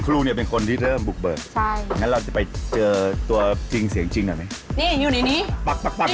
คือหมดงามกินอาหารแบบปล่ามมากเลย